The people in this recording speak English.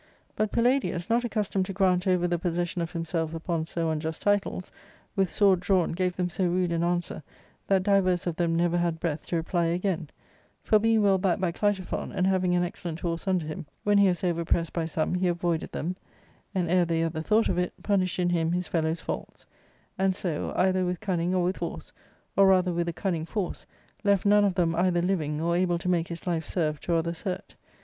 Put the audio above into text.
I But Palladius, not accustomed to grant over the possession of himself upon so unjust titles, with sword drawn gave them so rude an answer that divers of them never had breath to reply again ; for, being well backed by Clitophon, and having an excellent horse under him, when he was over pressed by some, he avoided them, and, ere the other thought of it, pun 1 ished in him his fellow's faults ; and so, either with cunning or with force, or rather with, a cunning forgQ, left no^)e of them either living or able to make his, life serve to other's /. hurt.